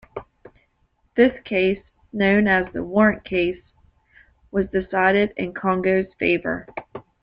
This case, known as the Warrant Case, was decided in Congo's favor.